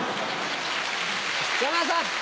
山田さん